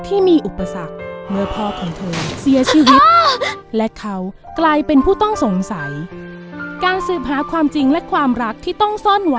ท่านแก้แค้นของเราเริ่มต้น